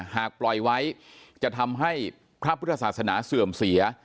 หากปล่อยไว้จะทำให้พระพุทธศาสนาเสื่อมเสีย